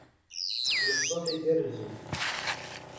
Lefṣuḥ igerrzen.